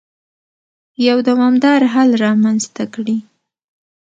يو دوامدار حل رامنځته کړي.